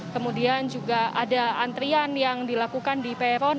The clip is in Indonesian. kemudian juga ada antrian yang dilakukan di peron